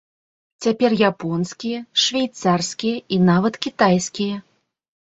Цяпер японскія, швейцарскія і нават кітайскія.